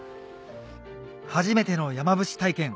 初めての山伏体験